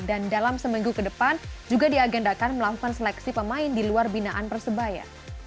dan dalam seminggu ke depan juga diagendakan melakukan seleksi pemain di luar binaan persebaya